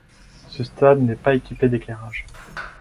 Ce stade n'est pas équipé d'éclairages.